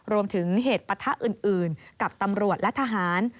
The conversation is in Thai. รวมถึงเหตุปะทะอื่นกับตำรวจและทหาร